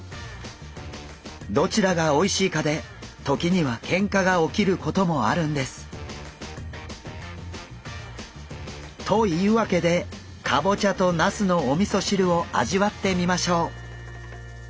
どちらがおいしいかで時にはけんかが起きることもあるんです。というわけでかぼちゃとなすのおみそ汁を味わってみましょう。